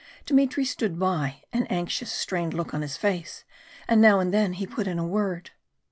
Dmitry stood by, an anxious, strained look on his face, and now and then he put in a word.